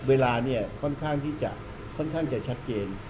เวลาเนี่ยค่อนข้างที่จะค่อนข้างจะชัดเจน